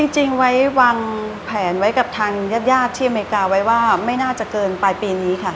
จริงไว้วางแผนไว้กับทางญาติญาติที่อเมริกาไว้ว่าไม่น่าจะเกินปลายปีนี้ค่ะ